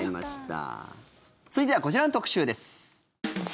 続いてはこちらの特集です。